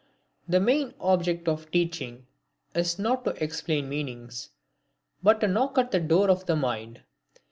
The main object of teaching is not to explain meanings, but to knock at the door of the mind.